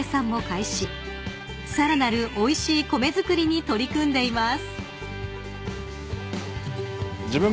［さらなるおいしい米作りに取り組んでいます］